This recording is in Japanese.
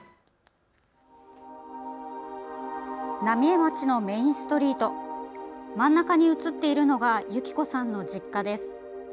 浪江町のメインストリート真ん中に映っているのが由起子さんの実家です。